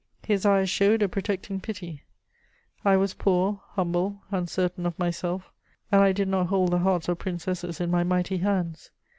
His eyes showed a protecting pity: I was poor, humble, uncertain of myself, and I did not hold the hearts of princesses in my mighty hands.